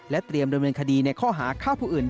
และเตรียมโดยเมืองคดีในข้อหาค่าผู้อื่น